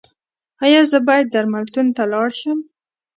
ایا زه باید درملتون ته لاړ شم؟